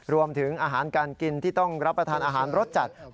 รวมถึงอาหารการกินที่ต้องรับประทานอาหารรสจัด